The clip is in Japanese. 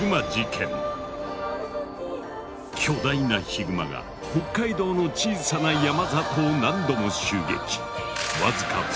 巨大なヒグマが北海道の小さな山里を何度も襲撃。